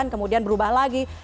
kemudian berubah lagi